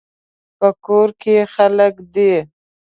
په کور کې خلک دي